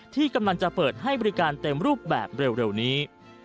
ที่กำลังจะเปิดให้บริการเต็มรูปแบบเร็วนี้